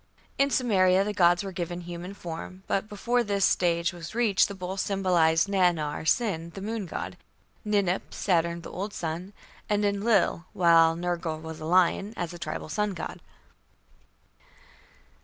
In Sumeria the gods were given human form, but before this stage was reached the bull symbolized Nannar (Sin), the moon god, Ninip (Saturn, the old sun), and Enlil, while Nergal was a lion, as a tribal sun god.